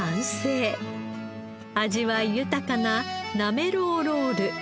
味わい豊かななめろうロール。